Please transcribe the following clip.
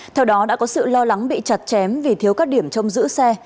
theo đó đã có sự lo lắng bị chặt chém vì thiếu các điểm trong giữ xe